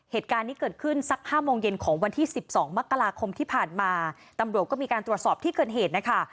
เหตุการณ์นี้เกิดขึ้นสักห้าโมงเย็นของวันที่สิบสองมกราคมที่ผ่านมาตำรวจก็มีการตรวจสอบที่เกิดเหตุนะคะ